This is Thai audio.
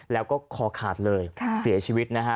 แล้วก็คอขาดเลยเสียชีวิตนะฮะ